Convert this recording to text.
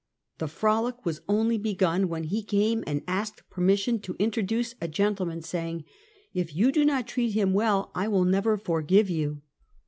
The frolic was only begun, when he came and asked per mission to introduce a gentleman, saying: " If you do not treat him well, I will never forgive you."